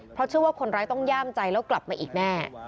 เพราะเชื่อว่าคนร้ายต้องย่ามใจแล้วกลับมาอีกแน่